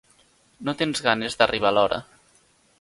No tens ganes d'arribar a l'hora.